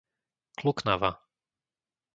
Kluknava